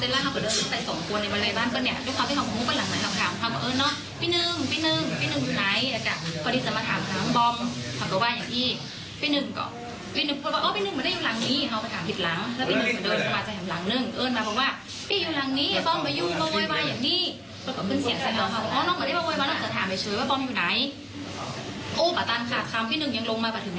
และอยู่หลังนี้ฟ้องไปอยู่มาโวยไว่อย่างนี้